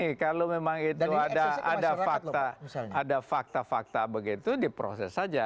ini kalau memang itu ada fakta fakta begitu diproses saja